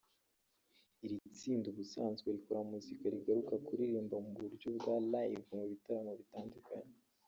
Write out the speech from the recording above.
Iri tsinda ubusanzwe rikora muzika rigakunda kuririmba mu buryo bwa live mu bitaramo bitandukanye